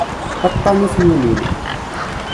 Aṭṭan i t-yulin.